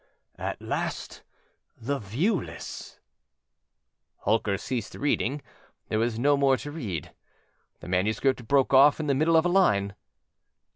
âAt last the viewlessââ Holker ceased reading; there was no more to read. The manuscript broke off in the middle of a line.